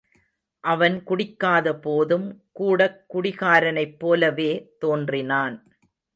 அவன் குடிக்காத போதும் கூடக் குடிகாரனைப்போலவே தோன்றினான்.